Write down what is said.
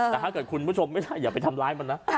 แต่ถ้าเกิดคุณผู้ชมไม่ใช่อย่าไปทำร้ายมันนะ